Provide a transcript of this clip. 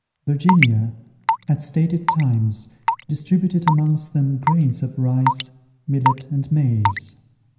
Virginia, at stated times, distributed amongst them grains of rice, millet, and maize.